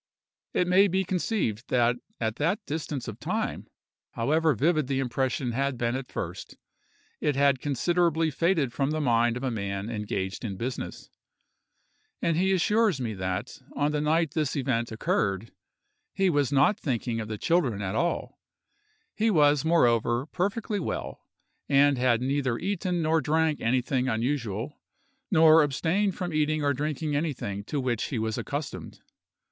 It may be conceived that at that distance of time, however vivid the impression had been at first, it had considerably faded from the mind of a man engaged in business; and he assures me that, on the night this event occurred, he was not thinking of the children at all; he was, moreover, perfectly well, and had neither eaten nor drank anything unusual, nor abstained from eating or drinking anything to which he was accustomed.